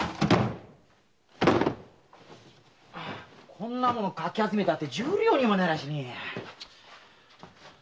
こんなもんかき集めたって十両にもなりゃしねえ。